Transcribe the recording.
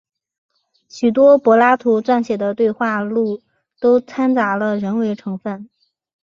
许多柏拉图撰写的对话录都参杂了人为成分。